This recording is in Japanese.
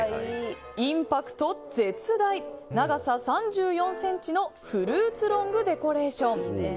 インパクト絶大長さ３４ｃｍのフルーツロングデコレーション。